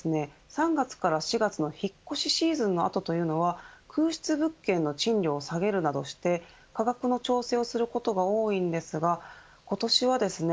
３月から４月の引っ越しシーズンの後というのは空室物件の賃料を下げるなどして価格の調整をすることが多いんですが今年はですね